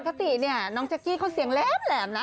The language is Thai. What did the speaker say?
ปกติเนี่ยน้องแจ๊กกี้เขาเสียงแหลมนะ